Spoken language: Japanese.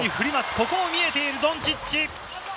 ここも見えているドンチッチ。